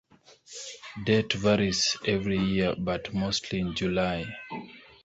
Date varies every year but mostly in July.